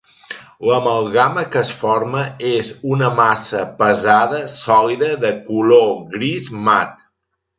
L'amalgama que es forma és una massa pesada sòlida de color gris mat.